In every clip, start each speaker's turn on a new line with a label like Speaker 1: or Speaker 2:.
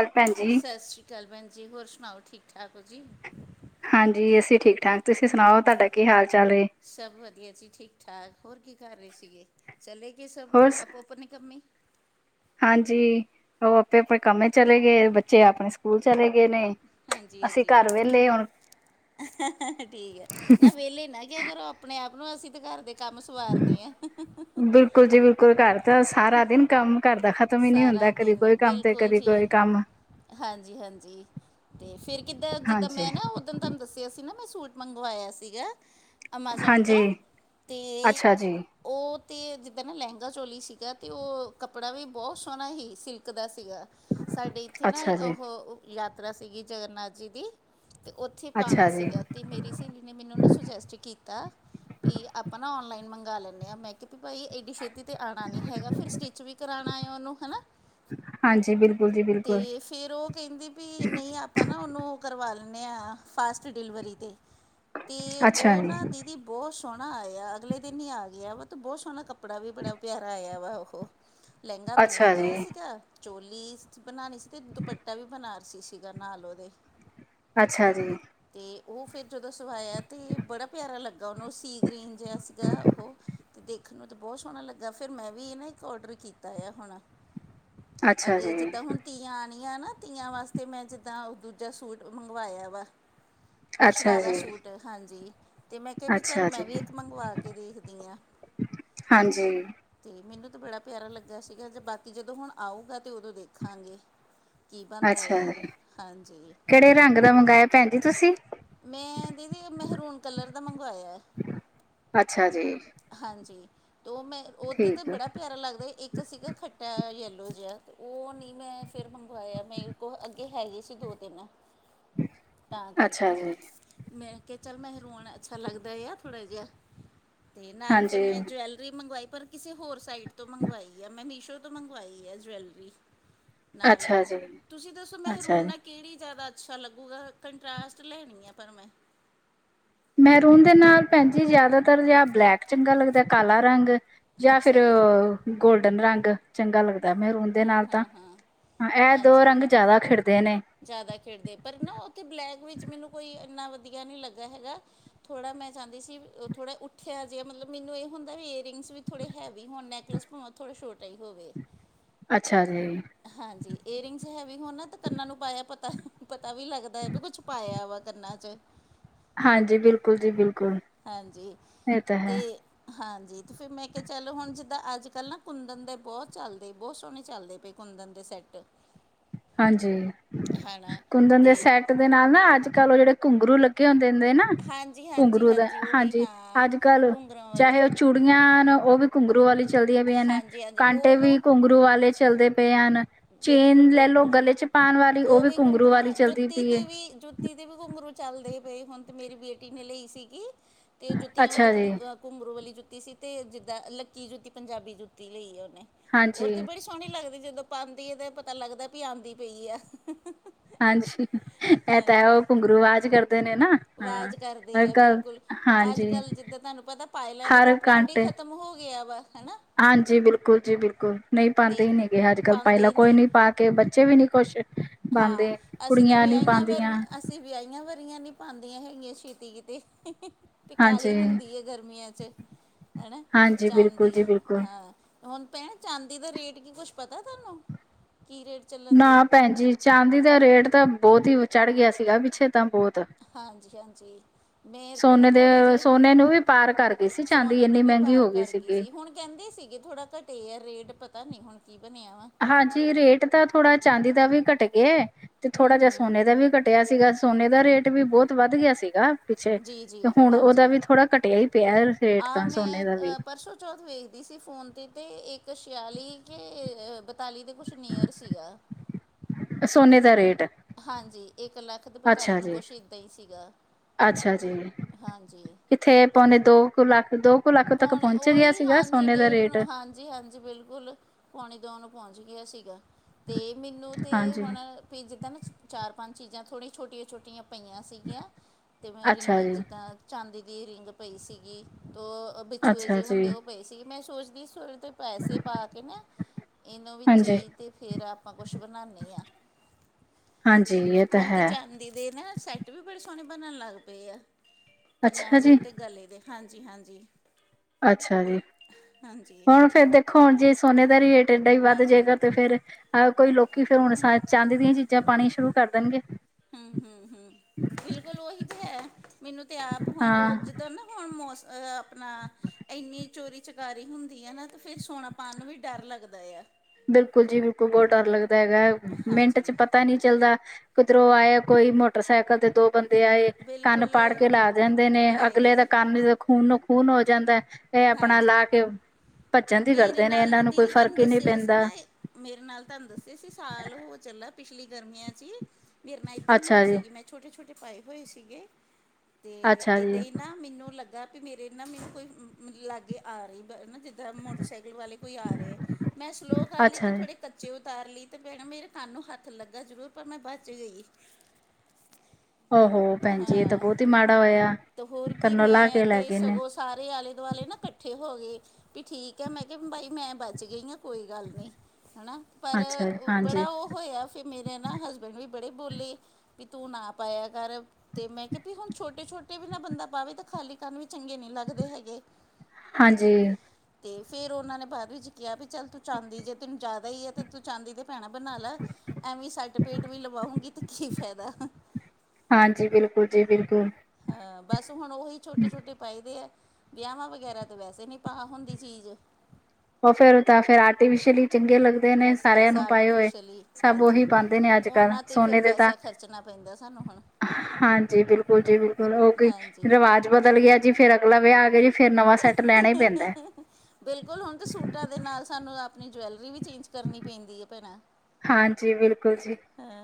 Speaker 1: Hello ਭੈਣ ਜੀ
Speaker 2: ਸਤਿ ਸ਼੍ਰੀ ਅਕਾਲ ਭੈਣ ਜੀ ਹੋਰ ਸੁਣਾਓ ਠੀਕ ਠਾਕ ਓ ਜੀ।
Speaker 1: ਹਾਂਜੀ ਅਸੀਂ ਠੀਕ ਠਾਕ ਤੁਸੀਂ ਸੁਣਾਓ ਤੁਹਾਡਾ ਕੀ ਹਾਲ ਚਾਲ ਏ।
Speaker 2: ਸਭ ਵਧੀਆ ਜੀ ਠੀਕ ਠਾਕ ਹੋਰ ਕੀ ਕਰ ਰਹੇ ਸੀਗੇ ਚਲੇ ਗਏ ਸਭ
Speaker 1: ਹੋਰ
Speaker 2: ਆਪੋ ਆਪਣੇ ਕੰਮੇ।
Speaker 1: ਹਾਂਜੀ ਉਹ ਆਪੇ ਆਪਣੇ ਕੰਮੇ ਚਲੇ ਗਏ ਬੱਚੇ ਆਪਣੇ ਸਕੂਲ ਚਲੇ ਗਏ ਨੇ।
Speaker 2: ਹਾਂਜੀ
Speaker 1: ਅਸੀਂ
Speaker 2: ਹਾਂਜੀ
Speaker 1: ਘਰ ਵਿਹਲੇ ਹੁਣ
Speaker 2: ਠੀਕ ਐ ਨਾ ਵਿਹਲੇ ਨਾ ਕਿਹਾ ਕਰੋ ਆਪ। ਆਪਣੇ ਆਪ ਨੂੰ ਅਸੀਂ ਤੇ ਘਰ ਦੇ ਕੰਮ ਸਵਾਰਦੇ ਹਾਂ।
Speaker 1: ਬਿਲਕੁਲ ਜੀ ਬਿਲਕੁਲ ਘਰ ਤਾਂ ਸਾਰਾ ਦਿਨ ਕੰਮ ਘਰ ਦਾ ਖਤਮ ਹੀ ਨਹੀਂ ਹੁੰਦਾ
Speaker 2: ਸਾਰਾ
Speaker 1: ਕਦੀ
Speaker 2: ਦਿਨ
Speaker 1: ਕੋਈ ਕੰਮ ਤੇ
Speaker 2: ਬਿਲਕੁਲ
Speaker 1: ਕਦੀ
Speaker 2: ਜੀ
Speaker 1: ਕੋਈ ਕੰਮ।
Speaker 2: ਹਾਂਜੀ ਹਾਂਜੀ ਤੇ ਫਿਰ ਕਿੱਦਾਂ ਜਿੱਦਾਂ
Speaker 1: ਹਾਂਜੀ
Speaker 2: ਮੈਂ ਨਾ ਮੈ ਤੁਹਾਨੂੰ ਦੱਸਿਆ ਸੀ ਨਾ ਮੈਂ ਸੂਟ ਮੰਗਵਾਇਆ ਸੀਗਾ। ਅਮਾਜ਼ੋਨ ਤੋਂ
Speaker 1: ਹਾਂਜੀ
Speaker 2: ਤੇ
Speaker 1: ਅੱਛਾ ਜੀ
Speaker 2: ਉਹ ਤੇ ਜਿੱਦਾਂ ਨਾ ਲਹਿੰਗਾ ਚੋਲੀ ਸੀਗਾ ਤੇ ਉਹ ਕੱਪੜਾ ਵੀ ਬਹੁਤ ਸੋਹਣਾ ਹੀ ਸਿਲਕ ਦਾ ਸੀਗਾ ਸਾਡੇ ਇੱਥੇ ਨਾ
Speaker 1: ਅੱਛਾ ਜੀ
Speaker 2: ਉਹ ਯਾਤਰਾ ਸੀਗੀ ਜਗਨਨਾਥ ਜੀ ਦੀ ਅਤੇ ਉੱਥੇ
Speaker 1: ਅੱਛਾ
Speaker 2: ਪਾਉਣਾ
Speaker 1: ਜੀ
Speaker 2: ਸੀਗਾ ਤੇ ਮੇਰੀ ਸਹੇਲੀ ਨੇ ਮੈਨੂੰ ਨਾ ਸੁਜੈਸਟ ਕੀਤਾ ਵੀ ਆਪਾਂ ਨਾ ਔਨਲਾਈਨ ਮੰਗਵਾ ਲੈਂਦੇ ਹਾਂ ਮੈਂ ਕਿਹਾ ਵੀ ਭਾਈ ਇਡੀ ਛੇਤੀ ਤੇ ਆਉਣਾ ਨਹੀਂ ਹੈਗਾ ਫਿਰ ਸਟਿੱਚ ਵੀ ਕਰ [unintelligible] ਉਹਨੂੰ ਹਨਾ
Speaker 1: ਹਾਂਜੀ ਬਿਲਕੁਲ ਜੀ
Speaker 2: ਤੇ
Speaker 1: ਬਿਲਕੁਲ
Speaker 2: ਫਿਰ ਉਹ ਕਹਿੰਦੀ ਵੀ ਨਹੀਂ ਆਪਾਂ ਨਾ ਉਹਨੂੰ ਕਰਵਾ ਲੈਂਦੇ ਹਾਂ ਫਾਸਟ ਡਿਲੀਵਰੀ 'ਤੇ।
Speaker 1: [inaudible]
Speaker 2: ਤੇ
Speaker 1: ਅੱਛਾ
Speaker 2: ਉਹ ਨਾ
Speaker 1: ਜੀ
Speaker 2: ਦੀਦੀ ਬਹੁਤ ਸੋਹਣਾ ਆਇਆ ਅਗਲੇ ਦਿਨ ਹੀ ਆ ਗਿਆ ਵਾ ਤਾਂ ਬਹੁਤ ਸੋਹਣਾ ਕੱਪੜਾ ਵੀ ਬੜਾ ਪਿਆਰਾ ਆਇਆ ਵਾ ਉਹ। ਲਹਿੰਗਾ ਬਣਿਆ
Speaker 1: ਅੱਛਾ ਜੀ
Speaker 2: ਪਿਆ ਸੀਗਾ ਚੋਲੀ ਬਣਾਉਣੀ ਸੀ ਤੇ ਦੁਪੱਟਾ ਵੀ ਬਣਾ ਰਹੀ ਸੀ ਸੀਗਾ ਨਾਲ ਉਹਦੇ
Speaker 1: ਅੱਛਾ ਜੀ।
Speaker 2: ਅਤੇ ਉਹ ਫਿਰ ਜਦੋਂ ਸਵਾਇਆ ਤਾਂ ਬੜਾ ਪਿਆਰਾ ਲੱਗਾ ਉਹਨੂੰ ਸੀ ਗ੍ਰੀਨ ਜਿਹਾ ਸੀਗਾ ਉਹ ਅਤੇ ਦੇਖਣ ਨੂੰ ਤਾਂ ਬਹੁਤ ਸੋਹਣਾ ਲੱਗਾ ਫਿਰ ਮੈਂ ਵੀ ਇਹ ਨਾ ਇੱਕ ਔਡਰ ਕੀਤਾ ਹੁਣ
Speaker 1: ਅੱਛਾ
Speaker 2: ਅੱਗੇ
Speaker 1: ਜੀ
Speaker 2: ਜਿੱਦਾਂ ਹੁਣ ਤੀਆਂ ਆਣੀਆਂ ਨਾ ਤੀਆਂ ਵਾਸਤੇ ਮੈਂ ਜਿੱਦਾਂ ਦੂਜਾ ਸੂਟ ਮੰਗਵਾਇਆ ਵਾ।
Speaker 1: ਅੱਛਾ
Speaker 2: ਸ਼ਰਾਰਾ
Speaker 1: ਜੀ
Speaker 2: ਸੂਟ ਹਾਂਜੀ। ਤੇ ਮੈਂ ਕੇ, ਵੀ ਚੱਲ,
Speaker 1: ਅੱਛਾ ਜੀ
Speaker 2: ਮੈਂ ਵੀ ਏਕ ਮੰਗਵਾ ਕੇ ਦੇਖਦੀ ਆਂ।
Speaker 1: ਹਾਂਜੀ।
Speaker 2: ਤੇ ਮੈਨੂੰ ਤਾਂ ਬੜਾ ਪਿਆਰਾ ਲੱਗਾ ਸੀਗਾ। ਜ ਬਾਕੀ, ਜਦੋਂ ਹੁਣ ਆਊਗਾ, ਤੇ ਉਦੋਂ ਦੇਖਾਂਗੇ। ਕੀ ਬਣਦਾ
Speaker 1: ਅੱਛਾ
Speaker 2: ਆ
Speaker 1: ਜੀ,
Speaker 2: ਹਾਂਜੀ
Speaker 1: ਕੇੜੇ ਰੰਗ ਦਾ ਮੰਗਾਯਾ, ਭੈਣਜੀ, ਤੁਸੀਂ?
Speaker 2: ਮੈਂ, ਦੀਦੀ, ਮਹਰੂਨ ਕਲਰ ਦਾ ਮੰਗਵਾਇਆ।
Speaker 1: ਅੱਛਾ ਜੀ।
Speaker 2: ਹਾਂਜੀ, ਤੋ ਮੈਂ ਔਦੇ ਤੇ
Speaker 1: ਠੀਕ ਹੈ
Speaker 2: ਬੜਾ ਪਿਆਰਾ ਲੱਗਦਾ ਇੱਕ ਸੀਗਾ ਖੱਟਾ ਯੈਲੋ ਜਾ, ਤੇ ਔ ਨੀ ਮੈਂ ਫੇਰ ਮੰਗਵਾਇਆ, ਮੇਰੇ ਕੋ ਅੱਗੇ ਹੈਗੇ ਸੀ ਦੋ ਤਿੰਨ।
Speaker 1: [inaudible]
Speaker 2: ਤਾਂ
Speaker 1: ਅੱਛਾ
Speaker 2: ਕਰਕੇ
Speaker 1: ਜੀ
Speaker 2: ਮੈਂ ਕਿਹਾ ਚੱਲ, ਮਹਿਰੂਨ ਅੱਛਾ ਲੱਗਦਾ ਆ। ਥੋੜ੍ਹਾ ਜਿਆ, ਤੇ ਨਾਲ ਫਿਰ
Speaker 1: ਹਾਂਜੀ
Speaker 2: ਮੈਂ ਜਵੈਲ ਮੰਗਵਾਈ, ਪਰ ਕਿਸੇ ਹੋਰ ਸਾਈਟ ਤੋਂ ਮੰਗਵਾਈ ਐ। ਮੈਂ ਮੀਸ਼ੋ ਤੋਂ ਮੰਗਵਾਈ ਐ ਜਵੈਲਰੀ। ਨਾਲ,
Speaker 1: ਅੱਛਾ ਜੀ
Speaker 2: ਤੁਸੀਂ ਦੱਸੋ,
Speaker 1: ਅੱਛਾ
Speaker 2: ਮਹਿਰੂਨ
Speaker 1: ਜੀ
Speaker 2: ਨਾ ਕਿਹੜੀ ਜਿਆਦਾ ਅੱਛਾ ਲੱਗੂਗਾ? ਕੰਟਰਾਸਟ ਲੈਣੀ ਐ ਪਰ ਮੈਂ
Speaker 1: ਮੈਹਰੂਨ ਦੇ ਨਾਲ ਭੈਣਜੀ ਜ਼ਿਆਦਾ ਜਾਂ ਬਲੈਕ ਚੰਗਾ ਲੱਗਦਾ ਕਾਲਾ ਰੰਗ ਜਾਂ ਫਿਰ
Speaker 2: ਅੱਛਾ ਜੀ
Speaker 1: ਗੋਲਡਨ ਰੰਗ ਚੰਗਾ ਲੱਗਦਾ ਮਹਿਰੂਨ ਦੇ
Speaker 2: ਹਾਂ
Speaker 1: ਨਾਲ ਤਾਂ
Speaker 2: ਹਾਂ ਹਾਂ
Speaker 1: ਇਹ ਦੋ
Speaker 2: ਹਾਂਜੀ
Speaker 1: ਰੰਗ ਜ਼ਿਆਦਾ ਖਿੜ ਦੇ ਨੇ
Speaker 2: ਜ਼ਿਆਦਾ ਖਿੜਦੇ ਪਰ ਨਾ ਔਥੇ ਬਲੈਕ ਵਿੱਚ ਮੈਨੂੰ ਕੋਈ ਏਨਾ ਵਧੀਆ ਨੀ ਲੱਗਾ ਹੈਗਾ। ਥੋੜਾ ਮੈਂ ਚਾਂਦੀ ਸੀ, ਔ ਥੋੜਾ ਉੱਠੇ ਆ ਜੇ। ਮਤਲਬ ਮੈਨੂੰ ਏਹ ਹੁੰਦਾ ਵੀ ਏਰਿੰਗਸ ਵੀ ਥੋੜੇ ਹੈਵੀ ਹੋਣ, ਨੈਕਲਸ। ਹਾਂ ਥੋੜ੍ਹਾ ਸ਼ੌਟਾ ਈ ਹੋਵੇ।
Speaker 1: ਅੱਛਾ ਜੀ।
Speaker 2: ਹਾਂਜੀ, ਏਰਿੰਗਸ ਹੈਵੀ ਹੋਣ ਨਾ, ਤੇ ਕੰਨਾਂ ਨੂੰ ਪਾਇਆ, ਪਤਾ ਪਤਾ ਵੀ ਲੱਗਦਾ ਐ ਵੀ ਕੁਛ, ਪਾਇਆ ਵਾ ਕੰਨਾਂ ਚ।
Speaker 1: ਹਾਂਜੀ, ਬਿਲਕੁਲ ਜੀ ਬਿਲਕੁਲ।
Speaker 2: ਹਾਂਜੀ,
Speaker 1: ਇਹ ਤਾਂ
Speaker 2: ਤੇ
Speaker 1: ਹੈ
Speaker 2: ਹਾਂਜੀ, ਤੇ ਫੇਰ ਮੈਂ ਕਿਆ ਚਲ ਹੁਣ ਜਿੱਦਾਂ ਅੱਜ ਕੱਲ੍ਹ ਨਾ ਕੁੰਦਨ ਦੇ ਬੋਤ ਚੱਲਦੇ, ਬੋਤ ਸੋਣੇ ਚੱਲਦੇ ਪਏ। ਕੁੰਦਨ ਦੇ ਸੈੱਟ।
Speaker 1: ਹਾਂਜੀ,
Speaker 2: ਹਨਾ
Speaker 1: ਕੁੰਦਨ ਦੇ
Speaker 2: ਤੇ
Speaker 1: ਸੈਟ ਦੇ ਨਾਲ ਨਾ, ਅੱਜ ਕੱਲ੍ਹ ਔ ਜਿਹੜੇ ਕੁੰਗਰੂ ਲੱਗੇ। [unintelligible] ਨਾ,
Speaker 2: ਹਾਂਜੀ ਹਾਂਜੀ
Speaker 1: ਕੁੰਗਰੂ ਦਾ
Speaker 2: ਉਹੀ
Speaker 1: ਹਾਂਜੀ,
Speaker 2: ਹਾਂ
Speaker 1: ਅੱਜ ਕੱਲ
Speaker 2: ਘੁੰਗਰਾਂ
Speaker 1: ਚਾਹੇ
Speaker 2: ਵਾਲੇ
Speaker 1: ਔ। ਚੂੜੀਆਂ ਨਾ, ਔ ਵੀ ਕੁੰਗਰੂ ਵਾਲੀ ਚਲਦੀਆਂ ਪਈਆਂ ਨਾ,
Speaker 2: ਹਾਂਜੀ ਹਾਂਜੀ ਉਹ
Speaker 1: ਕਾਂਟੇ ਵੀ
Speaker 2: ਨੂੰ
Speaker 1: ਕੁੰਗਰੂ ਵਾਲੇ ਚੱਲਦੇ ਪੇ ਹਨ ਚੇਨ
Speaker 2: ਬਿਲਕੁਲ
Speaker 1: ਲੈ ਲੋ।
Speaker 2: ਬਿਲਕੁਲ
Speaker 1: ਗਲੇ ਚ ਪਾਣ ਵਾਲੀ, ਔ
Speaker 2: ਉਹ
Speaker 1: ਵੀ ਕੁੰਗਰੂ
Speaker 2: ਘੁੰਗਰੂਆਂ
Speaker 1: ਵਾਲੀ ਚੱਲਦੀ
Speaker 2: ਜੁੱਤੀ
Speaker 1: ਪੀ ਏ।
Speaker 2: ਤੇ ਵੀ ਜੁੱਤੀ ਦੇ ਵੀ ਕੁੰਗੁਰੂ ਚੱਲਦੇ ਪੇ। ਹੁਣ ਤੇ ਮੇਰੀ ਬੇਟੀ ਨੇ ਲਈ ਸੀਗੀ, ਤੇ ਜੁੱਤੀਆਂ
Speaker 1: ਅੱਛਾ
Speaker 2: ਵਾਲੀ ਘੁੰ
Speaker 1: ਜੀ
Speaker 2: ਕੁੰਗੁਰੂ ਵਾਲੀ ਜੁੱਤੀ ਸੀ, ਤੇ ਜਿੱਦਾਂ ਲੱਕੀ ਜੁੱਤੀ ਪੰਜਾਬੀ ਜੁੱਤੀ ਲਈ ਆ, ਓਨੇ ਔਰ
Speaker 1: ਹਾਂਜੀ
Speaker 2: ਤੇ ਬੜੀ ਸੋਣੀ ਲੱਗਦੀ ਜਦੋਂ ਪਾਂਦੀ ਏ, ਤੇ ਪਤਾ ਲੱਗਦਾ ਵੀ ਆਂਦੀ ਪਈ ਐ।
Speaker 1: ਹਾਂਜੀ, ਐ ਤਾਂ ਹੈ ਓ ਕੁੰਗੁਰੂ ਵਾਜ਼ ਕਰਦੇ ਨੇ ਨਾ। ਹਾਂ
Speaker 2: ਵਾਜ਼ ਕਰਦੀ
Speaker 1: ਅੱਜ
Speaker 2: ਐ
Speaker 1: ਕੱਲ
Speaker 2: ਬਿਲਕੁਲ
Speaker 1: ਹਾਂਜੀ
Speaker 2: ਅੱਜ-ਕੱਲ੍ਹ, ਜਿੱਦਾਂ ਤੁਹਾਨੂੰ ਪਤਾ, ਪਾਏਲਾਂ ਦਾ ਤਾਂ
Speaker 1: ਹਰ
Speaker 2: ਟਰੈਂਡ ਈ
Speaker 1: ਕਾਂਟੇ
Speaker 2: ਖਤਮ ਮ ਹੋ ਗਿਆ ਵਾ, ਹਨਾ।
Speaker 1: ਹਾਂਜੀ, ਬਿਲਕੁਲ ਜੀ, ਬਿਲਕੁਲ ਨਈ ਪਾਂਦੇ
Speaker 2: ਤੇ
Speaker 1: ਈ ਨੀ ਗੇ, ਅੱਜ-ਕੱਲ
Speaker 2: ਪਾਉਂਦੇ
Speaker 1: ਪਾਈਲਾ
Speaker 2: ਹੀ
Speaker 1: ਕੋਈ
Speaker 2: ਨਹੀਂ
Speaker 1: ਨੀ ਪਾ ਕੇ ਬੱਚੇ ਵੀ ਨੀ ਖੁਸ਼।
Speaker 2: ਹਾਂ, ਅਸੀਂ ਤੇ ਵਿਆਈ-ਵਰੀਆਂ ਅਸੀਂ ਅਸੀਂ ਵਿਆਈਆਂ-ਵਰੀਆਂ ਨੀ ਪਾਂਦੀਆਂ ਹੈਗੀਆਂ ਛੇਤੀ ਕਿਤੇ। ਤੇ
Speaker 1: ਹਾਂਜੀ
Speaker 2: ਕਾਲੀ ਹੁੰਦੀ ਏ ਗਰਮੀਆਂ ਚ, ਹਨਾ?
Speaker 1: ਹਾਂਜੀ ਬਿਲਕੁਲ
Speaker 2: ਚਾਂਦੀ
Speaker 1: ਜੀ ਬਿਲਕੁਲ
Speaker 2: ਹਾਂ। ਹੁਣ, ਭੈਣ, ਚਾਂਦੀ ਦਾ ਰੇਟ ਕੀ ਕੁਛ ਪਤਾ ਤਾਨੂੰ, ਕੀ ਰੇਟ? ਚੱਲਣ ਦੇ ਆ
Speaker 1: ਨਾ, ਭੈਣ ਜੀ ਚਾਂਦੀ ਦਾ ਰੇਟ ਤਾਂ ਬੋਤ ਈ ਚੜ ਗਿਆ ਸੀਗਾ। ਪਿੱਛੇ, ਤਾਂ ਬੋਤ
Speaker 2: ਹਾਂਜੀ-ਹਾਂਜੀ, ਮੇਰ ਕੋਲ ਨਾ
Speaker 1: ਸੋਨੇ ਦੇ
Speaker 2: ਥੋੜ੍ਹੀ ਜੀ
Speaker 1: ਸੋਨੇ ਨੂੰ ਵੀ ਪਾਰ ਕਰ ਗਈ ਸੀ ਚਾਂਦੀ
Speaker 2: ਸੋਨੇ
Speaker 1: ਇੰਨੀ
Speaker 2: ਨੂੰ ਵੀ
Speaker 1: ਮਹਿੰਗੀ
Speaker 2: ਪਾਰ
Speaker 1: ਹੋ
Speaker 2: ਕਰ ਗਈ
Speaker 1: ਸੀਗੀ
Speaker 2: ਸੀ, ਹੁਣ ਕਹਿੰਦੇ ਸੀਗੇ ਥੋੜਾ ਘੱ ਟ ਐ ਰੇਟ ਪਤਾ ਨੀ ਹੁਣ ਕੀ ਬਣਿਆ ਵਾ,
Speaker 1: ਹਾਂਜੀ ਰੇਟ ਤਾਂ ਥੋੜਾ ਚਾਂਦੀ ਦਾ ਵੀ ਘੱਟ ਗਿਆ, ਤੇ ਥੋੜਾ ਜਿਹਾ ਸੋਨੇ ਦਾ ਵੀ ਘੱਟ। ਕਟਿਆ ਸੀਗਾ ਸੋਨੇ ਦਾ ਰੇਟ ਵੀ ਬਹੁਤ ਵੱਧ ਗਿਆ ਸੀਗਾ, ਪਿੱਛੇ
Speaker 2: ਜੀ
Speaker 1: ਤੇ
Speaker 2: ਜੀ
Speaker 1: ਹੁਣ ਉਹਦਾ ਵੀ ਥੋੜਾ ਘਟਿਆ ਹੀ। ਪਿਆ, ਰੇਟ
Speaker 2: ਆ
Speaker 1: ਤਾਂ ਸੋਨੇ ਦਾ ਵੀ
Speaker 2: ਮੈਂ ਪਰਸੋਂ, ਚੌਥ ਵੇਖਦੀ ਸੀ, ਫੋਨ 'ਤੇ ਤੇ ਇੱਕ ਛਿਆਲੀ ਕਿ ਬਤਾਲੀ ਦੇ ਕੁਛ ਨੀਅਰ ਸੀਗਾ।
Speaker 1: ਸੋਨੇ ਦਾ ਰੇਟ,
Speaker 2: ਹਾਂਜੀ, ਇੱਕ ਲੱਖ ਦੀ ਬਤਾਲੀ
Speaker 1: ਅੱਛਾ
Speaker 2: ਨੂੰ,
Speaker 1: ਜੀ
Speaker 2: ਕੁਛ ਏਦਾਂ ਹੀ ਸੀਗਾ।
Speaker 1: ਅੱਛਾ ਜੀ,
Speaker 2: ਹਾਂਜੀ
Speaker 1: ਈਥੇ,
Speaker 2: ਤੇ
Speaker 1: ਪਾਉਣੇ ਦੋ ਕੁ ਲੱਖ, ਦੋ ਕੁ ਲੱਖ ਤੱਕ
Speaker 2: ਪੌਣੇ
Speaker 1: ਪਹੁੰਚ ਗਿਆ
Speaker 2: ਉਹੀ
Speaker 1: ਸੀਗਾ
Speaker 2: ਹਾਂਜੀ
Speaker 1: ਸੋਨੇ ਦਾ
Speaker 2: ਡੇਢ
Speaker 1: ਰੇਟ
Speaker 2: ਨੂੰ, ਹਾਂਜੀ, ਜੀ ਹਾਂਜੀ, ਬਿਲਕੁਲ ਪੋਣੇ ਦੋ ਨੂੰ ਪਹੁੰਚ ਗਿਆ ਸੀਗਾ, ਤੇ ਮੈਨੂੰ ਤਾਂ
Speaker 1: ਹਾਂਜੀ
Speaker 2: ਹੁਣ ਵੀ ਜਿੱਦਾਂ ਨਾ ਚਾਰ ਪੰਜ ਚੀਜ਼ਾਂ ਥੋੜੀਆਂ ਛੋਟਿਆਂ ਛੋਟਿਆਂ। ਪਇਆਂ ਸੀਗੀਆਂ, ਅਤੇ ਮੈਂ ਰਿੰਗ,
Speaker 1: ਅੱਛਾ ਜੀ
Speaker 2: ਜਿੱਦਾਂ ਚਾਂਦੀ ਦੀ ਰਿੰਗ ਪਈ ਸੀਗੀ। ਤ ਬਿਛੂਏ
Speaker 1: ਅੱਛਾ
Speaker 2: ਜੇ
Speaker 1: ਜੀ
Speaker 2: ਹੁੰਦੇ, ਉਹ ਪਏ ਸੀਗੇ, ਮੈਂ ਸੋਚਦੀ ਸੁਰੁ ਤੋਂ ਪੈਸੇ ਪਾ ਕੇ ਨਾ, ਇਹਨੂੰ
Speaker 1: ਹਾਂਜੀ
Speaker 2: ਵੇਚੀਏ, ਤੇ ਫਿਰ ਆਪਾਂ ਕੁਛ ਬਣਾਉਂਦੇ ਹਾਂ।
Speaker 1: ਹਾਂਜੀ ਇਹ ਤਾਂ
Speaker 2: ਹੁਣ ਤੇ
Speaker 1: ਹੈ
Speaker 2: ਚਾਂਦੀ ਦੇ ਨਾ ਸੈੱਟ ਵੀ ਬੜੇ ਸੋਹਣੇ ਬਣਨ ਲੱਗ ਪਏ ਐ। ਕੰਨਾਂ
Speaker 1: ਅੱਛਾ
Speaker 2: ਦੇ,
Speaker 1: ਜੀ
Speaker 2: ਤੇ ਗਲੇ ਦੇ, ਹਾਂਜੀ, ਹਾਂਜੀ।
Speaker 1: ਅੱਛਾ ਜੀ।
Speaker 2: ਹਾਂਜੀ
Speaker 1: ਹੁਣ ਫੇਰ ਦੇਖੋ, ਹੁਣ ਜੇ ਸੋਨੇ ਦਾ ਰੇਟ ਏਦਾ ਈ ਵੱਧ
Speaker 2: ਹਾਂਜੀ
Speaker 1: ਜਾਏਗਾ, ਤੇ ਫੇਰ ਹ ਕੋਈ ਲੋਕੀ, ਫੇਰ ਹੁਣ, ਸਾ ਚਾਂਦੀ ਦੀਆਂ ਚੀਜ਼ਾਂ ਪਾਣਿਆਂ ਸ਼ੁਰੂ ਕਰ ਦੇਣਗੇ।
Speaker 2: ਹੁੰ-ਹੁੰ-ਹੁੰ। ਬਿਲਕੁਲ, ਔਹੀ ਤੇ ਹੈ, ਮਿਨੂੰ ਤੇ ਆਪ ਹੁਣ,
Speaker 1: ਹਾਂ
Speaker 2: ਜਿੱਦਾਂ ਨਾ, ਹੁਣ ਮੌਸ ਆਪਣਾ, ਇੰਨੀ ਚੋਰੀ ਚਕਾਰੀ ਹੁੰਦੀ ਐ, ਨਾ ਤੇ ਫੇਰ ਸੋਣਾ ਪਾਉਣ ਨੂੰ ਵੀ ਡਰ ਲੱਗਦਾ ਐ।
Speaker 1: ਬਿਲਕੁਲ ਜੀ ਬਿਲਕੁਲ ਬਹੁਤ ਡਰ ਲੱਗਦਾ ਹੈਗਾ, ਮਿੰਟ ਚ
Speaker 2: ਹਾਂਜੀ
Speaker 1: ਪਤਾ ਨਹੀਂ ਚੱਲਦਾ। ਕਿਧਰੋਂ ਆਏ ਕੋਈ ਮੋਟਰਸਾਈਕਲ ਤੇ, ਦੋ ਬੰਦੇ, ਆਏ, ਕੰਨ
Speaker 2: ਬਿਲਕੁਲ
Speaker 1: ਪਾੜ ਕੇ ਲਾ ਜਾਂਦੇ ਨੇ,
Speaker 2: ਲੈ
Speaker 1: ਅਗਲੇ ਦਾ
Speaker 2: ਗਏ
Speaker 1: ਕੰਨ ਖੂਨੋ -ਖੂਨ ਹੋ ਜਾਂਦਾ। ਇਹ ਆਪਣਾ
Speaker 2: ਹਾਂਜੀ
Speaker 1: ਲਾ ਕੇ, ਭੱਜਣ ਦੀ
Speaker 2: ਮੇਰੇ
Speaker 1: ਕਰਦੇ ਨੇ,
Speaker 2: ਨਾਲ
Speaker 1: ਇਹਨਾਂ
Speaker 2: ਤੇ
Speaker 1: ਨੂੰ ਕੋਈ
Speaker 2: ਦੀਦੀ
Speaker 1: ਫ਼ਰਕ
Speaker 2: ਤੁਹਾਨੂੰ
Speaker 1: ਹੀ ਨਹੀ।
Speaker 2: ਦੱਸਿਆ ਸੀ ਨਾ ਮੇਰੇ ਨਾਲ ਤੁਹਾਨੂੰ ਦੱਸਿਆ ਸੀ, ਸਾਲ ਹੋ ਚੱਲਾ ਪਿਛਲੀ ਗਰਮੀਆਂ ਚ ਹੀ, ਮੇਰੇ ਨਾਲ ਇਦਾਂ ਹੀ
Speaker 1: ਅੱਛਾ
Speaker 2: ਹੋਈ
Speaker 1: ਜੀ
Speaker 2: ਸੀਗੀ ਮੈਂ ਛੋਟੇ-ਛੋਟੇ ਪਾਏ ਹੋਏ ਸੀਗੇ, ਤੇ
Speaker 1: ਅੱਛਾ ਜੀ
Speaker 2: ਏਦਾਂ ਹੀ। ਨਾ ਮੈਨੂੰ ਲੱਗਾ, ਵੀ ਮੇਰੇ ਨਾ ਮੈਨੂੰ ਕੋਈ ਲਾਗੇ ਆ ਰਹੀ ਐ ਮੋਟਰਸਾਈਕਲ ਵਾਲੇ ਕੋਈ ਆ ਰਹੇ ਹੈ, ਮੈਂ ਸਲੋਅ ਕਰ ਲਈ,
Speaker 1: ਅੱਛਾ
Speaker 2: ਤੇ
Speaker 1: ਜੀ
Speaker 2: ਥੋੜੇ ਕੱਚੇ ਉਤਾਰ ਲਈ, ਤੇ ਭੈਣ, ਮੇਰੇ ਕੰਨ ਨੂੰ ਹੱਥ ਲੱਗਾ ਜ਼ਰੂਰ, ਪਰ ਮੈਂ ਬਚ ਗਈ।
Speaker 1: ਔ ਹੋ ਭੈਣਜੀ ਇਹ ਤਾਂ
Speaker 2: ਹਾਂ
Speaker 1: ਬਹੁਤ ਹੀ ਮਾੜਾ ਹੋਇਆ,
Speaker 2: ਤੇ ਹੋਰ ਕੀ
Speaker 1: ਕੱਨੋ ਲਾਹ
Speaker 2: ਮੈਂ
Speaker 1: ਕੇ ਲੈ
Speaker 2: ਤੇ
Speaker 1: ਗਏ ਨੇ।
Speaker 2: ਸਗੋਂ ਸਾਰੇ ਆਲੇ-ਦੁਆਲੇ ਨਾ ਇਕੱਠੇ ਹੋ ਗਏ। ਵੀ ਠੀਕ ਹੈ, ਮੈਂ ਕਿਹਾ ਬਾਈ ਮੈਂ ਬਚ ਗਈ ਹਾਂ, ਕੋਈ ਗੱਲ ਨਹੀਂ ਹੈਨਾ। ਪਰ,
Speaker 1: ਅੱਛਾ ਜੀ ਹਾਂਜੀ
Speaker 2: ਬੜਾ ਉਹ ਹੋਇਆ। ਫਿਰ ਮੇਰੇ ਨਾ ਹਸਬੈਂਡ ਵੀ ਬੜੇ ਬੋਲੇ, ਵੀ ਤੂੰ ਨਾ ਪਾਇਆ ਕਰ। ਤੇ ਮੈਂ ਕਿਹਾ ਵੀ ਹੁਣ ਛੋਟੇ-ਛੋਟੇ ਵੀ ਨਾ ਬੰਦਾ ਪਾਵੇ, ਤੇ ਖਾਲੀ ਕੰਨ ਵੀ ਚੰਗੇ ਨਹੀਂ ਲੱਗਦੇ ਹੈਗੇ।
Speaker 1: ਹਾਂਜੀ,
Speaker 2: ਤੇ ਫਿਰ ਉਹਨਾਂ ਨੇ ਬਾਅਦ ਵਿੱਚ ਕਿਹਾ, ਵੀ ਚੱਲ ਤੂੰ ਚਾਂਦੀ ਜੇ, ਤੈਨੂੰ ਜ਼ਿਆਦਾ ਹੀ ਹੈ, ਤੇ ਤੂੰ ਚਾਂਦੀ ਦੇ ਭੈਣਾਂ ਬਣਾ ਲੈ। ਐਵੇਂ ਸੈਟਪੇਟ ਵੀ ਲਵਾਉਂਗੀ ਤੇ ਕੀ ਫਾਇਦਾ।
Speaker 1: ਹਾਂਜੀ ਬਿਲਕੁਲ ਜੀ ਬਿਲਕੁਲ।
Speaker 2: ਹਾਂ ਬਸ, ਹੁਣ ਉਹੀ ਛੋਟੇ-ਛੋਟੇ ਪਾਈ ਦੇ ਐ। ਵਿਆਹਾਂ ਵਗੈਰਾ ਤੇ, ਵੈਸੇ ਨਹੀਂ ਪਾ ਹੁੰਦੀ ਚੀਜ਼।
Speaker 1: ਉਹ ਫਿਰ ਤਾਂ, ਫਿਰ ਆਰਟੀਫਿਸ਼ਅਲ ਹੀ ਚੰਗੇ ਲੱਗਦੇ। ਦੇ ਨੇ
Speaker 2: ਬਸ
Speaker 1: ਸਾਰਿਆਂ
Speaker 2: ਬਸ
Speaker 1: ਨੂੰ ਪਾਏ ਹੋਏ,
Speaker 2: ਆਰਟੀਫਿਸ਼ਲੀ
Speaker 1: ਸਭ ਉਹੀ
Speaker 2: ਹਾਂਜੀ
Speaker 1: ਪਾਉਂਦੇ ਨੇ ਅੱਜ-ਕੱਲ੍ਹ
Speaker 2: ਉਹਨਾਂ ਤੇ ਫਿਰ
Speaker 1: ਸੋਨੇ ਦੇ ਤਾਂ,
Speaker 2: ਪੈਸਾ ਖਰਚਣਾ ਪੈਂਦਾ ਸਾਨੂੰ ਹੁਣ
Speaker 1: ਹਾਂਜੀ ਬਿਲਕੁਲ ਜੀ, ਬਿਲਕੁਲ ਹੋਊ ਕੋਈ
Speaker 2: ਹਾਂਜੀ
Speaker 1: ਰਿਵਾਜ਼। ਬਦਲ ਗਿਆ ਜੀ ਫ਼ੇਰ ਅਗਲਾ ਵਿਆਹ ਆ ਗਿਆ ਜੀ, ਫੇਰ ਨਵਾਂ ਸੈਟ
Speaker 2: ਬਿਲਕੁਲ ਹੁਣ ਤਾਂ ਸੂਟਾਂ ਦੇ ਨਾਲ ਸਾਨੂੰ ਆਪਣੀ ਜਵੈਲਰੀ ਵੀ ਚੇਂਜ, ਕਰਨੀ ਪੈਂਦੀ ਏ ਭੈਣਾਂ,
Speaker 1: ਹਾਂਜੀ, ਬਿਲਕੁਲ ਜੀ।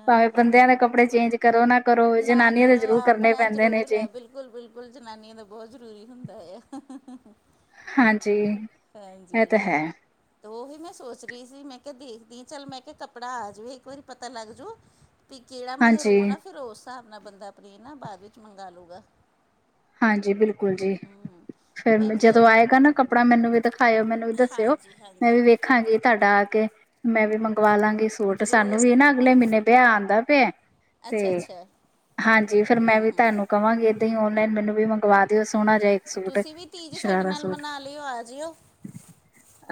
Speaker 1: ਭਾਵੇਂ ਬੰਦਿਆਂ ਦੇ ਕੱਪੜੇ ਚੇਂਜ ਕਰੋ ਨਾ ਕਰੋ,
Speaker 2: ਨਾ
Speaker 1: ਜਨਾਨੀਆਂ ਦੇ
Speaker 2: ਕਰੋ
Speaker 1: ਜ਼ਰੂਰ ਕਰਨੇ
Speaker 2: ਆਪਣਾ
Speaker 1: ਪੈਂਦੇ ਨੇ
Speaker 2: ਜ਼ਰੂਰ
Speaker 1: ਜੀ।
Speaker 2: ਹੈ ਬਿਲਕੁਲ, ਬਿਲਕੁਲ ਜਨਾਨੀਆਂ ਦਾ ਬਹੁਤ ਜ਼ਰੂਰੀ ਹੁੰਦਾ ਐ।
Speaker 1: ਹਾਂਜੀ ਇਹ
Speaker 2: ਹਾਂਜੀ,
Speaker 1: ਤਾਂ ਹੈ
Speaker 2: ਤੇ ਉਹੀ ਮੈਂ ਸੋਚ ਰਹੀ ਸੀ ਮੈਂ ਕਿਹਾ ਦੇਖਦੀ, ਚੱਲ ਮੈਂ ਕਿਹਾ ਕੱਪੜਾ ਆ ਜਾਵੇ ਇੱਕ ਵਾਰੀ ਪਤਾ ਲੱਗ ਜਾਊ। ਵੀ ਜਿਹੜਾ ਮੈਂਹਰੂਨ
Speaker 1: ਹਾਂਜੀ
Speaker 2: ਆ, ਫਿਰ ਉਸ ਹਿਸਾਬ ਨਾਲ ਬੰਦਾ ਆਪਣਾ ਨ ਬਾਅਦ ਵਿੱਚ ਮੰਗਾਵਾ ਲੂਗਾ।
Speaker 1: ਹਾਂਜੀ ਬਿਲਕੁਲ ਜੀ
Speaker 2: ਹੂੰ ਤੇ
Speaker 1: ਫਿਰ
Speaker 2: ਭੈਣ ਜੀ ਤੁ
Speaker 1: ਜਦੋਂ ਆਏਗਾ ਨਾ ਕੱਪੜਾ ਮੈਨੂੰ ਵੀ ਦਿਖਾਇਓ ਮੈਨੂੰ ਵੀ ਦੱਸਿਓ
Speaker 2: ਹਾਂਜੀ
Speaker 1: ਮੈਂ ਵੀ
Speaker 2: ਹਾਂਜੀ
Speaker 1: ਵੇਖਣ ਹਾਂਜੀ। ਤੁਹਾਡਾ ਆ ਕੇ ਮੈਂ ਵੀ ਮੰਗਵਾ ਲਵਾਗੀ ਸੂਟ
Speaker 2: ਜ਼ਰੂਰ
Speaker 1: ਸਾਨੂੰ ਵੀ ਨਾ ਅਗਲੇ ਮਹੀਨੇ ਵਿਆਹ ਆਉਂਦਾ ਪਿਆ ਤੇ
Speaker 2: ਅੱਛਾ ਅੱਛਾ
Speaker 1: ਹਾਂਜੀ ਫਿਰ ਮੈਂ
Speaker 2: ਹੂੰ
Speaker 1: ਵੀ
Speaker 2: ਹੂੰ
Speaker 1: ਤੁਹਾਨੂੰ ਕਵਾਗੇ ਤੇ ਓਨਲਾਈਨ ਮੈਨੂੰ ਵੀ ਮੰਗਵਾ ਦਿਓ ਸੋਹਣਾ ਜਿਹਾ ਇਕ
Speaker 2: ਤੁਸੀਂ ਵੀ ਤੀਜ ਸਾਡੇ ਨਾਲ ਮਨਾ ਲਿਓ ਆ ਜਿਓ।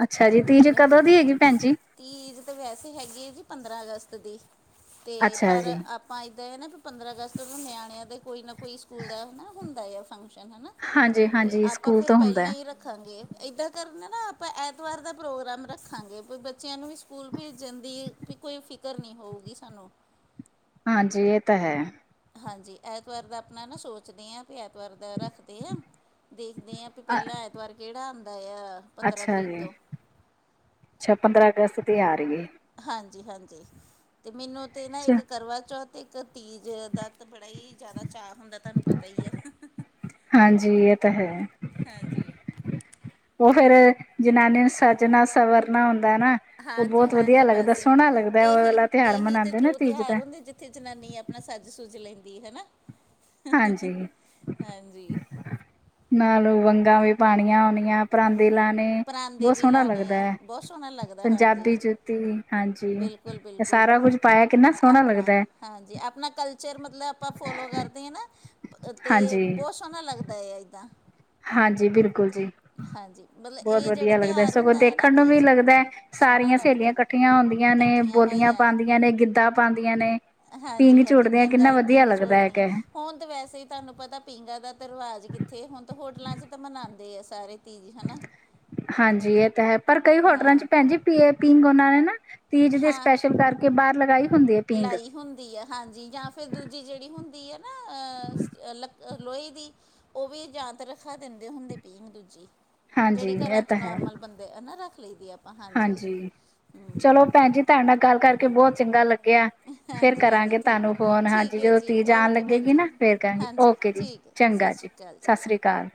Speaker 1: ਅੱਛਾ ਜੀ ਤੀਜ
Speaker 2: ਅਗਲੇ
Speaker 1: ਕਦੋਂ ਦੀ ਹਗੀ? ਭੈਣ ਜੀ
Speaker 2: ਤੀਜ ਤਾਂ ਵੈਸੇ ਹੈਗੀ ਹੈ ਜੀ ਪੰਦਰਾਂ ਅਗਸਤ ਦੀ ਅਤੇ
Speaker 1: ਅੱਛਾ
Speaker 2: ਪਰ
Speaker 1: ਜੀ
Speaker 2: ਆਪ ਪਾਈਦੇ ਨਾ ਵੀ ਪੰਦਰਾਂ ਅਗਸਤ ਨਿਆਣਿਆਂ ਦੇ ਕੋਈ ਨਾ ਕੋਈ ਸਕੂਲ ਦਾ ਹਨਾ ਹੁੰਦਾ ਆ ਫੰਕਸ਼ਨ ਹਨਾ।
Speaker 1: ਹਾਂਜੀ
Speaker 2: ਤੇ
Speaker 1: ਹਾਂਜੀ
Speaker 2: ਆਪਾਂ
Speaker 1: ਸਕੂਲ
Speaker 2: ਫੇਰ
Speaker 1: ਤੋਂ ਹੁੰਦਾ
Speaker 2: ਪਹਿਲਾਂ
Speaker 1: ਹੈ।
Speaker 2: ਹੀ ਰੱਖ ਹਾਂਜੀ। ਏਦਾਂ ਕਰਨਾ ਆਪਾਂ ਐਤਵਾਰ ਦਾ ਪ੍ਰੋਗਰਾਮ ਰੱਖਾਂਗੇ ਬ੍ ਬਚਿਆ ਨੂੰ ਵੀ ਸਕੂਲ ਭੇਜਣ ਦੀ ਵੀ ਕੋਈ ਫਿਕਰ ਨਹੀਂ ਹੋਊਗੀ ਸਾਨੂੰ
Speaker 1: ਹਾਂਜੀ ਇਹ ਤਾਂ ਹੈ।
Speaker 2: ਹਾਂਜੀ। ਐਤਵਾਰ ਦਾ ਆਪਣਾ ਨਾ ਸੋਚਦੇ ਹਾਂ ਵੀ ਐਤਵਾਰ ਦਾ ਰੱਖਦੇ ਹਾਂ ਦੇਖਦੇ ਹਾਂ ਪਹਿਲਾਂ ਐਤਵਾਰ ਕਿਹੜਾ ਆਉਂਦਾ ਆ। ਪੰਦਰਾਂ
Speaker 1: ਅੱਛਾ
Speaker 2: ਤਰੀਕ
Speaker 1: ਜੀ
Speaker 2: ਤੋਂ
Speaker 1: ਅੱਛਾ ਪੰਦਰਾਂ ਅਗਸਤ ਤੇ ਆ ਰਹੀ ਏ।
Speaker 2: ਹਾਂਜੀ- ਹਾਂਜੀ ਤੇ ਮੈਨੂੰ ਤੇ ਨਾ
Speaker 1: ਹੈ
Speaker 2: ਇੱਕ ਕਰਵਾ ਚੌਥ ਇੱਕ ਤੀਜ ਦਾ ਤਾਂ ਬੜਾ ਹੀ ਜ਼ਿਆਦਾ ਚਾਅ ਹੁੰਦਾ ਤੁਹਾਨੂੰ ਪਤਾ ਹੀ ਆ।
Speaker 1: ਹਾਂਜੀ। ਇਹ ਤਾਂ ਹੈ।
Speaker 2: ਹਾਂਜੀ
Speaker 1: ਉਹ ਫੇਰ ਜਨਾਨੀ ਨੂੰ ਸਜਣਾ ਸਵਰਨਾ ਹੁੰਦਾ ਨਾ। ਉਹ
Speaker 2: ਹਾਂਜੀ
Speaker 1: ਬਹੁਤ ਵਧੀਆ
Speaker 2: ਹਾਂਜੀ
Speaker 1: ਲੱਗਦਾ
Speaker 2: ਬਸ
Speaker 1: ਸੋਹਣਾ ਲੱਗਦਾ
Speaker 2: ਇਹੀ
Speaker 1: ਉਹ ਤਿਉਹਾਰ ਮਨਾਉਦੇ ਨਾ ਤੀਜ ਦਾ
Speaker 2: ਇੱਥੇ ਜਨਾਨੀ ਆਪਣਾ ਸਜ ਸੁਜ ਲੈਂਦੀ ਹਨਾ
Speaker 1: ਹਾਂਜੀ
Speaker 2: ਹਾਂਜੀ
Speaker 1: ਨਾਲ ਵੰਗਾਂ ਵੀ ਪਾਉਣੀਆਂ ਹੁਣੀਆ। ਪਰਾਂਦੇ ਲਾਉਣੇ
Speaker 2: ਪਰਾਂਦੇ
Speaker 1: ਬਹੁਤ
Speaker 2: ਵੀ
Speaker 1: ਸੋਹਣਾ
Speaker 2: ਲਾਣੇ
Speaker 1: ਲੱਗਦਾ
Speaker 2: ਆ
Speaker 1: ਹੈ
Speaker 2: ਬਹੁਤ ਸੋਹਣਾ ਲੱਗਦਾ ਹਾਂਜੀ
Speaker 1: ਪੰਜਾਬੀ 'ਚ ਹਾਂਜੀ।
Speaker 2: ਬਿਲਕੁਲ ਬਿਲਕੁਲ
Speaker 1: ਸਾਰਾ ਕੁਝ ਪਾਇਆ ਕਿੰਨਾ ਸੋਹਣਾ
Speaker 2: ਆਪਣਾ
Speaker 1: ਲੱਗਦਾ ਹੈ।
Speaker 2: ਹਾਂਜੀ ਆਪਣਾ ਕਲਚਰ ਮਤਲਬ ਆਪਾਂ ਫੋਲੋ ਕਰਦੇ ਹਾਂ ਨਾ ਅਤੇ
Speaker 1: ਹਾਂਜੀ
Speaker 2: ਬਹੁਤ ਸੋਹਣਾ ਲੱਗਦਾ ਹੈ ਇੱਦਾਂ
Speaker 1: ਹਾਂਜੀ। ਬਿਲਕੁਲ ਜੀ
Speaker 2: ਹਾਂਜੀ ਮਤਲਬ
Speaker 1: ਬਹੁਤ
Speaker 2: ਇਹ ਜਿਹੜਾ
Speaker 1: ਵਧੀਆ ਲੱਗਦਾ
Speaker 2: ਤਿਉਹਾਰ
Speaker 1: ਸਗੋਂ
Speaker 2: ਹੁੰਦਾ ਹੈ ਨਾ
Speaker 1: ਦੇਖਣ ਨੂੰ ਵੀ
Speaker 2: ਤੀਜ
Speaker 1: ਲੱਗਦਾ ਹੈ।
Speaker 2: ਸੋਹਣਾ
Speaker 1: ਸਾਰੀਆਂ
Speaker 2: ਲੱਗਦਾ
Speaker 1: ਸਹੇਲੀਆਂ ਇਕੱਠੀਆਂ ਹੁੰਦੀਆਂ ਨੇ
Speaker 2: ਇਕੱਠੀਆਂ
Speaker 1: ਬੋਲੀਆਂ
Speaker 2: ਹੋਈਆਂ
Speaker 1: ਪਾਉਂਦੀਆਂ ਨੇ ਗਿੱਧਾ ਪਾਉਂਦੀਆਂ ਨੇ
Speaker 2: ਹਾਂਜੀ
Speaker 1: ਪੀਂਘ
Speaker 2: ਹਾਂਜੀ
Speaker 1: ਝੂਟਦੇ ਆ ਕਿੰਨਾ
Speaker 2: ਪੀਂਘਾਂ
Speaker 1: ਵਧੀਆ
Speaker 2: ਪੀਂਘ
Speaker 1: ਲੱਗਦਾ ਹੈ
Speaker 2: ਝੋਟਦੀਆਂ
Speaker 1: ਕ
Speaker 2: ਹੁਣ ਤਾਂ ਵੈਸੇ ਹੀ ਤੁਹਾਨੂੰ ਪਤਾ ਪੀਂਘਾਂ ਦਾ ਤਾਂ ਰਿਵਾਜ਼ ਕਿੱਥੇ ਹੁਣ ਤਾਂ ਹੋਟਲਾਂ ਚ ਤਾਂ ਮਨਾਉਂਦੇ ਆ ਸਾਰੇ। ਤੀਜ ਹਨਾ
Speaker 1: ਹਾਂਜੀ। ਇਹ ਤਾਂ ਹੈ ਪਰ ਕਈ ਹੋਟਲਾਂ
Speaker 2: ਹਾਂ
Speaker 1: ਚ ਭੈਣ ਜੀ ਪੀ ਪੀਗ ਉਹਨਾਂ ਨੇ ਨਾ ਤੀਜ ਦੇ
Speaker 2: ਹਾਂ
Speaker 1: ਸਪੈਸ਼ਲ ਕਰਕੇ ਬਾਹਰ ਲਗਾਈ। ਹੁੰਦੀ ਹੈ ਪੀਂਗ
Speaker 2: ਲਾਈ ਹੁੰਦੀ ਆ। ਹਾਂਜੀ। ਜਾਂ ਫਿਰ ਦੂਜੀ ਜਿਹੜੀ ਹੁੰਦੀ ਹੈ ਨਾ ਲੋਹੇ ਦੀ ਉਹ ਵੀ ਜਾਂ ਤਾਂ ਰੱਖਾ ਦਿੰਦੇ ਹੁੰਦੇ ਪੀਗ ਦੂਜੀ
Speaker 1: ਹਾਂਜੀ
Speaker 2: ਜਿਹੜੀ ਘਰਾਂ
Speaker 1: ਇਹ
Speaker 2: ਚ
Speaker 1: ਤਾਂ ਹੈ
Speaker 2: ਨੋਰਮਲ ਬੰਦਾ ਇਹ ਨਾ ਰੱਖ ਲਈ ਦੀ ਆ।
Speaker 1: ਹਾਂਜੀ। ਚਲੋ ਭੈਣ ਜੀ ਤੁਹਾਡੇ ਨਾਲ ਗੱਲ ਕਰਕੇ ਬਹੁਤ ਚੰਗਾ ਲੱਗਿਆ। ਫੇਰ
Speaker 2: ਹਾਂਜੀ ਹਾਂਜੀ
Speaker 1: ਕਰਾਂਗੇ
Speaker 2: ਠੀਕ ਹੈ
Speaker 1: ਤੁਹਾਨੂੰ ਫੋਨ ਹਾਂਜੀ
Speaker 2: ਠੀਕ ਹੈ
Speaker 1: ਜਦੋਂ
Speaker 2: ਜੀ
Speaker 1: ਤੁਹੀ ਜਾਣ
Speaker 2: ਓਕੇ
Speaker 1: ਲੱਗੇ
Speaker 2: ਭੈਣ
Speaker 1: ਸੀ ਨਾ
Speaker 2: ਜੀ
Speaker 1: ਫੇਰ ਕਰਾਂਗੇ
Speaker 2: ਹਾਂਜੀ
Speaker 1: ਓਕੇ ਜੀ
Speaker 2: ਠੀਕ ਹੈ
Speaker 1: ਚੰਗਾ
Speaker 2: ਸਤਿ
Speaker 1: ਜੀ
Speaker 2: ਸ਼੍ਰੀ ਅਕਾਲ
Speaker 1: ਸਤਿ ਸ਼੍ਰੀ ਅਕਾਲ।